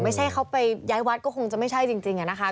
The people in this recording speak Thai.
ไม่ใช่เขาไปย้ายวัดก็คงจะไม่ใช่จริงอะนะคะ